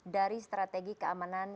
dari strategi keamanan